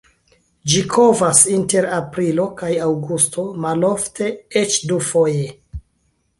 Ĝi kovas inter aprilo kaj aŭgusto, malofte eĉ dufoje.